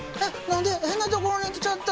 変なところに来ちゃった！